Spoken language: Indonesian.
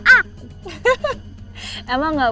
mama gak boleh kalau lipsticknya kena ke aku